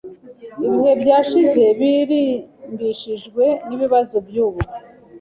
Ibihe byashize birimbishijwe nibibazo byubu